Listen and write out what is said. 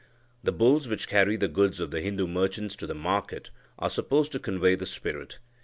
The bulls which carry the goods of the Hindu merchants to the market are supposed to convey the spirit.